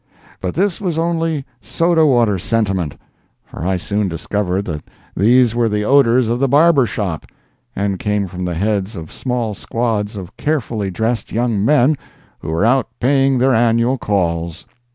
But this was only soda water sentiment, for I soon discovered that these were the odors of the barber shop, and came from the heads of small squads of carefully dressed young men who were out paying their annual calls.